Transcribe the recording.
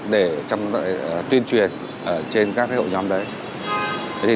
để tuyên truyền trên các hội nhóm đấy